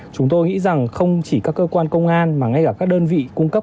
chúng tôi nghĩ rằng không chỉ các cơ quan công an mà ngay cả các đơn vị cung cấp